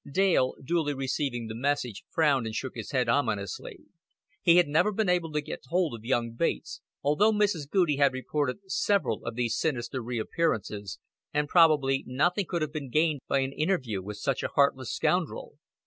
Dale, duly receiving the message, frowned and shook his head ominously. He had never been able to get hold of young Bates, although Mrs. Goudie had reported several of these sinister reappearances, and probably nothing could have been gained by an interview with such a heartless scoundrel.